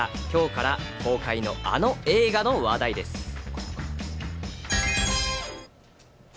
今日から公開の、あの映画の話題です。